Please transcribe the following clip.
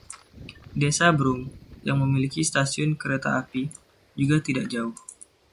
Desa Broome, yang memiliki stasiun kereta api, juga tidak jauh.